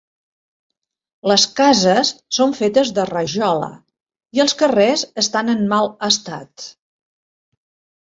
Les cases són fetes de rajola i els carrers estan en mal estat.